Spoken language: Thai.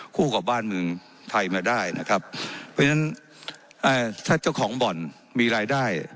คู่กับบ้านเมืองไทยมาได้นะครับเพราะฉะนั้นถ้าเจ้าของบ่อนมีรายได้